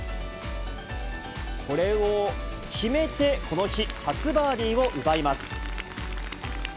これを決めてこの日、初バーディーを奪います。